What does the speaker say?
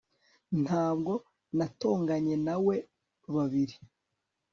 ntabwo natonganye nawe babiri